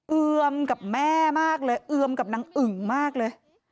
เอือมกับแม่มากเลยเอือมกับนางอึ่งมากเลย